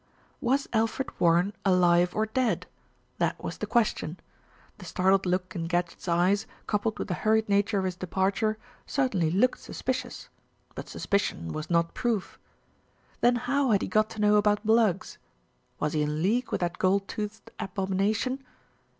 Was Alfred Warren alive or dead? That was the question. The startled look in Gadgett's eyes, coupled with the hurried nature of his departure, certainly MR. GADGETT PAYS A CALL 253 looked suspicious; but suspicion was not proof. Then how had he got to know about Bluggs? Was he in league with that gold toothed abomination?